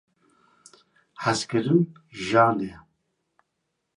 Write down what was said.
Hezkirin jan e.